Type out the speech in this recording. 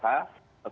dan juga di daerah